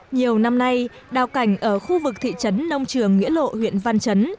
nhiều năm nay đào cảnh ở khu vực thị trấn nông trường nghĩa lộ huyện văn chấn